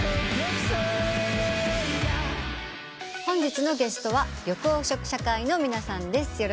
本日のゲストは緑黄色社会の皆さんです。